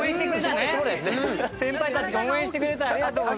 先輩たちが応援してくれた。